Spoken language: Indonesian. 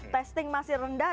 testing masih rendah